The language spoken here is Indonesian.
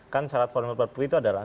kan syarat formal perpu itu adalah